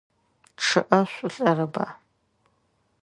ЧъыӀэ шъулӀэрэба?